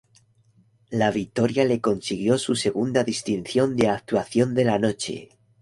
La victoria le consiguió su segunda distinción de "Actuación de la Noche".